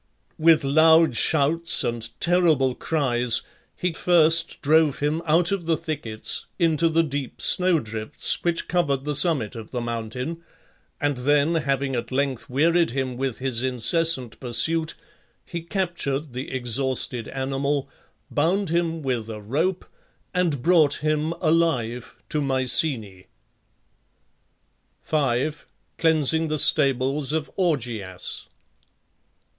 With loud shouts and terrible cries he first drove him out of the thickets into the deep snow drifts which covered the summit of the mountain, and then, having at length wearied him with his incessant pursuit, he captured the exhausted animal, bound him with a rope, and brought him alive to Mycenæ. 5. CLEANSING THE STABLES OF AUGEAS.